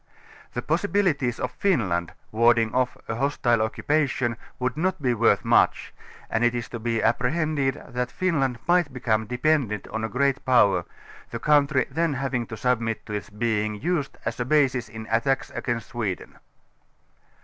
The possibilities of Finland warding off a hostile occupation, would not be worth much, and it is to be apprehended that Finland might become dependent on a great jjower, the country then having to submit to its being used as a basis in attacks against Sweden.